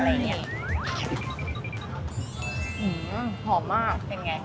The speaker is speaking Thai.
อืมหอมมาก